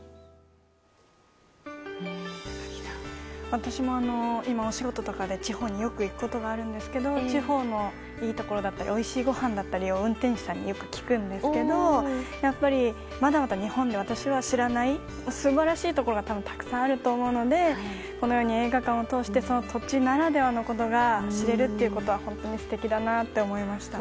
私もお仕事とかでよく地方に行くんですが地方のいいところだったりおいしいごはんだったりを運転手さんによく聞くんですけどまだまだ日本で私が知らない素晴らしいところがたくさんあると思うのでこのように映画館を通して土地ならではのことを知れるということは本当に素敵だなと思いました。